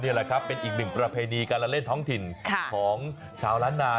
นี่ก็แล้วนะครับเป็นอีกหนึ่งประเภณีการเล่นท้องถิ่นของชาวละนา